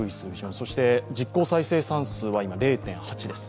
そして実効再生産数は今、０．８です。